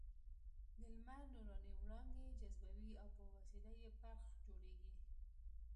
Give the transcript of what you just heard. د لمر نوراني وړانګې جذبوي او په وسیله یې برق جوړېږي.